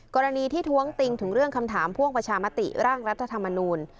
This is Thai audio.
กรณีที่ท้วงติงถึงเรื่องคำถามพ่วงประชามติร่างรัฐธรรมนูล